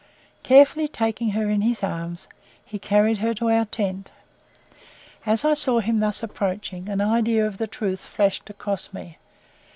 Carefully taking her in his arms, he carried her to our tent. As I saw him thus approaching, an idea of the truth flashed across me.